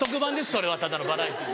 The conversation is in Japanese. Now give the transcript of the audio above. それはただのバラエティー。